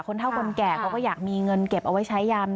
คนเท่ากลแก่ก็อยากมีเงินเก็บเอาไว้ใช้ยัน